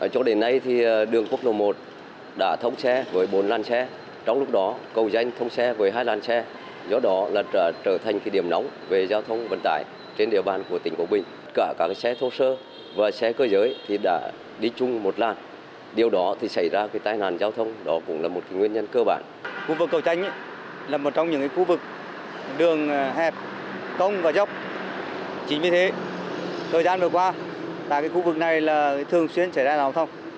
công và dốc chính vì thế thời gian vừa qua tại khu vực này là thường xuyên chảy ra giao thông